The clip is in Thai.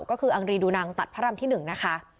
ก็คืออังรีดูนังตัดพระรำที่๑นะคะ